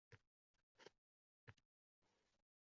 Bu azobga kim duchorki